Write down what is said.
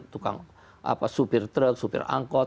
tukang supir truk supir angkot